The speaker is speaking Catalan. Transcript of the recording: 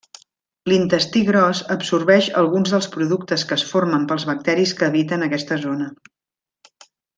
L'intestí gros absorbeix alguns dels productes que es formen pels bacteris que habiten aquesta zona.